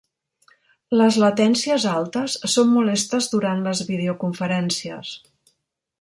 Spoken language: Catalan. Les latències altes són molestes durant les videoconferències.